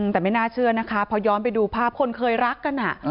แต่ไม่น่าเชื่อนะคะพอย้อนไปดูภาพคนเคยรักกัน